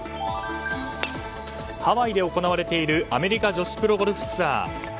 ハワイで行われているアメリカ女子プロゴルフツアー。